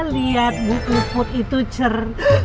liat bu puput itu cer